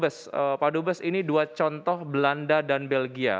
baik saya ke pak dubes pak dubes ini dua contoh belanda dan belgia